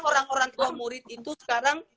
orang orang tua murid itu sekarang